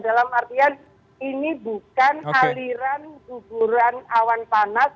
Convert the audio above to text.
dalam artian ini bukan aliran guguran awan panas